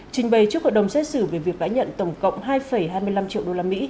trình bày trước hội đồng xét xử về việc đã nhận tổng cộng hai hai mươi năm triệu usd